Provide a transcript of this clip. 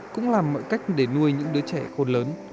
cũng làm mọi cách để nuôi những đứa trẻ khôn lớn